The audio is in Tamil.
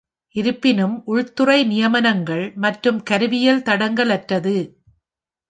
இருப்பினும், உள்துறை நியமனங்கள் மற்றும் கருவியல் தடங்கலற்றது.